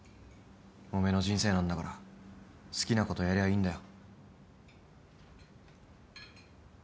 おめえの人生なんだから好きなことやりゃいいんだよ。